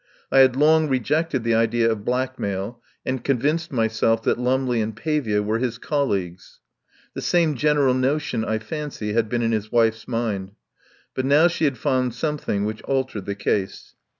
I had long rejected the idea of blackmail, and convinced myself that Lum ley and Pavia were his colleagues. The same general notion, I fancy, had been in his wife's mind. But now she had found something which altered the case.